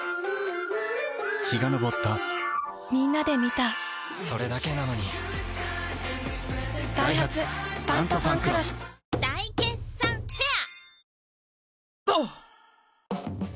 陽が昇ったみんなで観たそれだけなのにダイハツ「タントファンクロス」大決算フェア